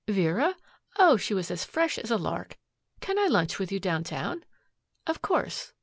Vera? Oh, she was as fresh as a lark. Can I lunch with you downtown? Of course.'"